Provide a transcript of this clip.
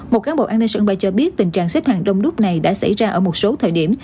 một cán bộ an ninh sân bay cho biết tình trạng xếp hàng đông đúc này đã xảy ra ở một số thời điểm